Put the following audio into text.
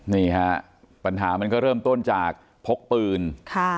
นี่ฮะปัญหามันก็เริ่มต้นจากพกปืนค่ะ